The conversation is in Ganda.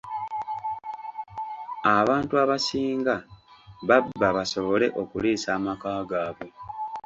Abantu abasinga babba basobole okuliisa amaka gaabwe.